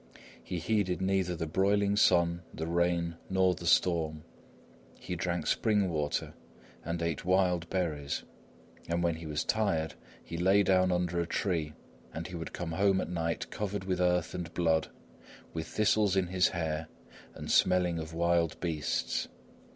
He heeded neither the broiling sun, the rain nor the storm; he drank spring water and ate wild berries, and when he was tired, he lay down under a tree; and he would come home at night covered with earth and blood, with thistles in his hair and smelling of wild beasts.